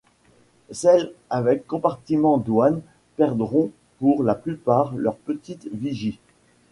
Celles avec compartiment-douane perdront pour la plupart leur petite vigie.